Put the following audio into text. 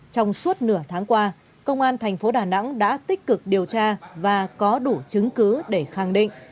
trong suốt nửa tháng qua công an thành phố đà nẵng đã tích cực điều tra và có đủ chứng cứ để khẳng định